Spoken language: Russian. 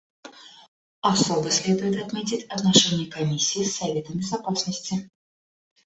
Особо следует отметить отношения Комиссии с Советом Безопасности.